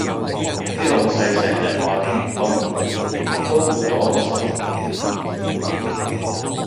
啲老細成日話啲員工：都唔挪個心出嚟，激死人